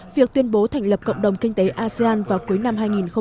việc tuyên bố thành lập cộng đồng kinh tế asean vào cuối năm hai nghìn một mươi năm